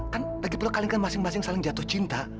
kan bagi pula kalian kan masing masing saling jatuh cinta